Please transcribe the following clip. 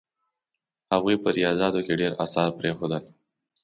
هغوی په ریاضیاتو کې ډېر اثار پرېښودل.